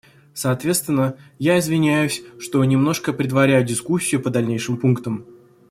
Соответственно, я извиняюсь, что немножко предваряю дискуссию по дальнейшим пунктам.